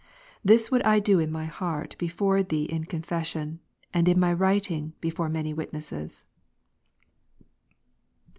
This would I do in my heart before Thee in confes sion : and in my writing, before many witnesses.